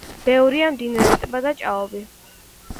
ბევრია მდინარე, ტბა და ჭაობი.